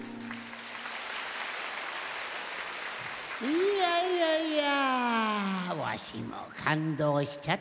いやいやいやわしもかんどうしちゃったな。